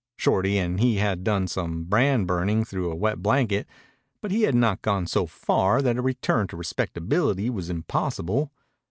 Shorty and he had done some brand burning through a wet blanket. But he had not gone so far that a return to respectability was impossible.